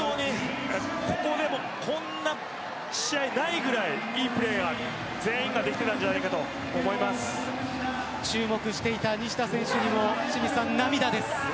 こんな試合ないぐらいいいプレーが全員ができていたんじゃないかと注目していた西田選手にも清水さん、涙です。